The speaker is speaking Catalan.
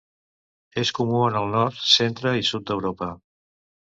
És comú en el nord, centre i sud d'Europa.